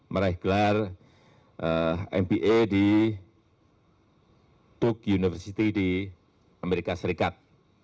meraih gelar mba di dok university di amerika serikat